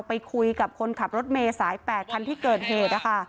ไปคุยกับคนขับรถเมสต์สายแปดครั้งที่เกิดเหตุ